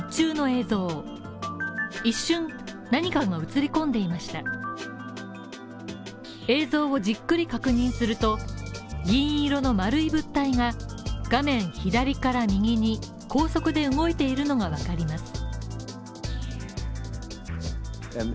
映像をじっくり確認すると、銀色の丸い物体が画面左から右に高速で動いているのが分かります。